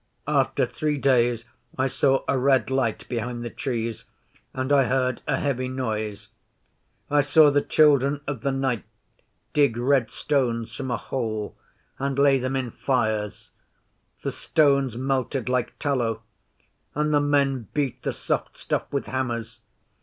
After three days I saw a red light behind the Trees, and I heard a heavy noise. I saw the Children of the Night dig red stones from a hole, and lay them in fires. The stones melted like tallow, and the men beat the soft stuff with hammers.